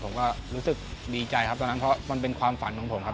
ผมก็รู้สึกดีใจครับตอนนั้นเพราะมันเป็นความฝันของผมครับ